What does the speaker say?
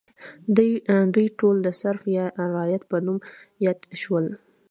دوی ټول د سرف یا رعیت په نامه یاد شول.